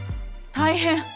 大変！